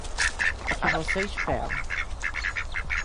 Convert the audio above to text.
O que você espera